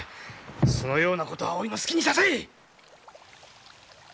そのようなこと葵の好きにさせい！